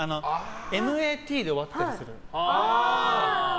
Ｍａｔで終わったりする。